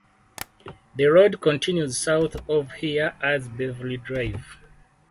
The road continues south of here as Beverly Drive.